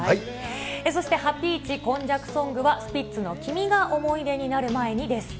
そしてハピイチ今昔ソングはスピッツの君が思い出になる前にです。